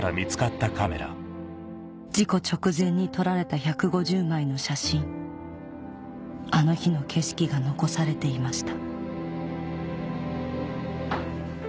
事故直前に撮られた１５０枚の写真あの日の景色が残されていました